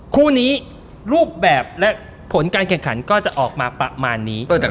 คู่นี้รูปแบบและผลการแข่งขันก็จะออกมาประมาณนี้